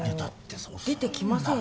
出てきませんよ